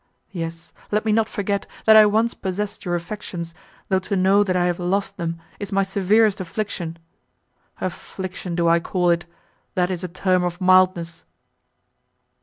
Yes! let me not forget, that I once possessed your affections, though to know that I have lost them, is my severest affliction. Affliction—do I call it!—that is a term of mildness."